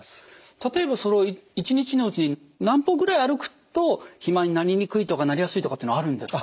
例えば一日のうちに何歩ぐらい歩くと肥満になりにくいとかなりやすいとかってあるんですか？